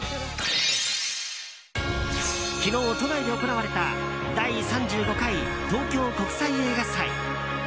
昨日、都内で行われた第３５回東京国際映画祭。